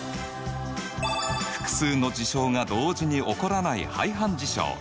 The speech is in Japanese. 複数の事象が同時に起こらない排反事象。